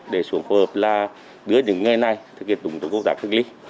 để xuống phù hợp là đưa những người này thực hiện tổng thống công tác thức ly